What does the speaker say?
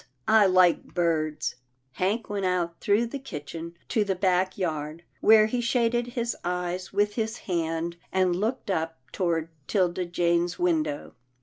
I like birds." Hank went out through the kitchen to the back GRAMPA'S DREAM 237 yard, where he shaded his eyes with his hand, and looked up toward 'Tilda Jane's window.